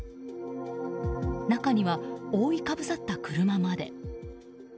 中には、覆いかぶさった車まで。